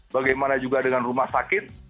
bagaimana juga dengan rumah sakit